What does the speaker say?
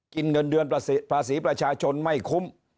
เงินเดือนภาษีประชาชนไม่คุ้ม